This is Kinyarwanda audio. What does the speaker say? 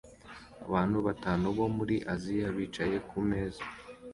Abantu batanu bo muri Aziya bicaye kumeza